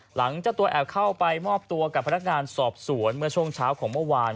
เจ้าตัวแอบเข้าไปมอบตัวกับพนักงานสอบสวนเมื่อช่วงเช้าของเมื่อวาน